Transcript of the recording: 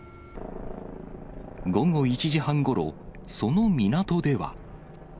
午後１時半ごろ、その港では。